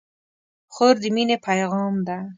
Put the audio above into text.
خور د مینې پیغام ده.